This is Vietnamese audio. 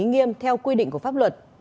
lý nghiêm theo quy định của pháp luật